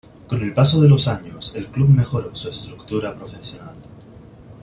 Con el paso de los años, el club mejoró su estructura profesional.